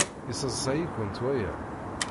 Yesseḍsay-ikent waya?